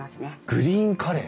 グリーンカレー！